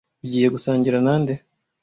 Ugiye gusangira nande?